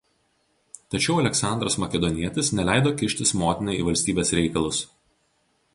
Tačiau Aleksandras Makedonietis neleido kištis motinai į valstybės reikalus.